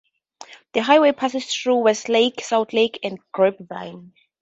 The highway passes through Westlake, Southlake, and Grapevine.